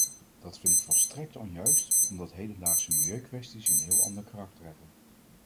Dat vind ik volstrekt onjuist, omdat hedendaagse milieukwesties een heel ander karakter hebben.